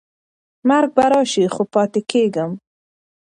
مرګ به راشي خو پاتې کېږم.